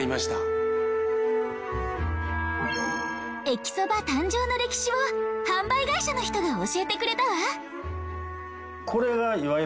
えきそば誕生の歴史を販売会社の人が教えてくれたわ。